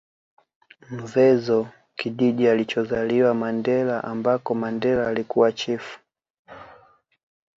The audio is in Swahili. Mvezo kijiji alichozaliwa Mandela ambako Mandela alikuwa chifu